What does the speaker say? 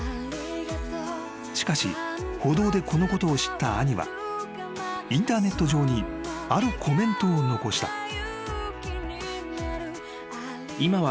［しかし報道でこのことを知った兄はインターネット上にあるコメントを残した］